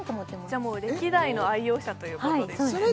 じゃあもう歴代の愛用者ということですね